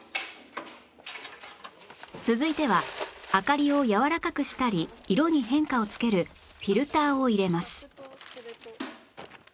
続いては明かりをやわらかくしたり色に変化をつけるフィルターを入れます